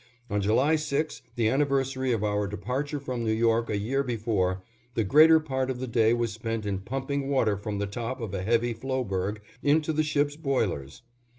On July 6, the anniversary of our departure from New York a year before, the greater part of the day was spent in pumping water from the top of a heavy floeberg into the ship's boilers.